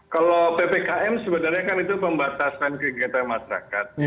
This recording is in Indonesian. kalau ppkm sebenarnya kan itu pembatasan kegiatan masyarakat